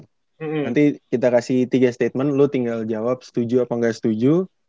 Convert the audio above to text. nanti kita kasih tiga statement lu tinggal jawab setuju apa enggak setuju